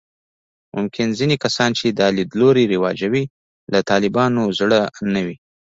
ممکن ځینې کسان چې دا لیدلوري رواجوي، له طالبانو زړه نه وي